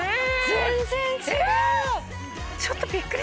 全然違う！